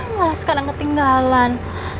malah sekarang ketinggalan